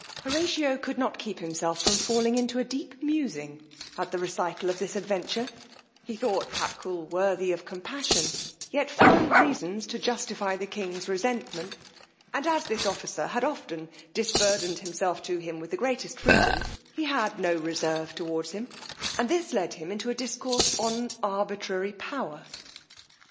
Horatio could not keep himself from falling into a deep musing at the recital of this adventure: he thought Patkul worthy of compassion, yet found reasons to justify the king's resentment; and as this officer had often disburthened himself to him with the greatest freedom, he had no reserve toward him, and this led them into a discourse on arbitrary power.